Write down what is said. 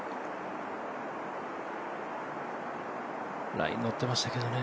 ライン乗ってましたけどね。